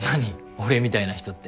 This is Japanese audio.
俺みたいな人って。